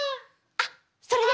あっそれで！